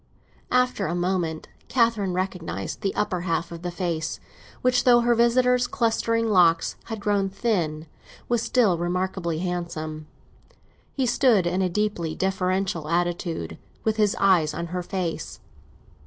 After a moment Catherine recognised the upper half of the face, which, though her visitor's clustering locks had grown thin, was still remarkably handsome. He stood in a deeply deferential attitude, with his eyes on her face.